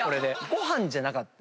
ご飯じゃなかった。